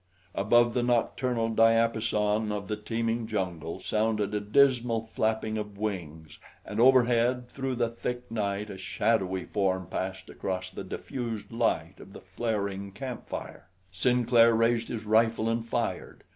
Above the nocturnal diapason of the teeming jungle sounded a dismal flapping of wings and over head, through the thick night, a shadowy form passed across the diffused light of the flaring camp fire. Sinclair raised his rifle and fired.